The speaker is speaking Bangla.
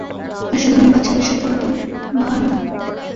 আসলে, আমি বাচ্চাদের সাথে ওতো ভালো না।